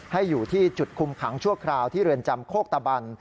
ให้อยู่ที่จุดคุมขังชั่วคราวที่เรือนจำโคกตะบัน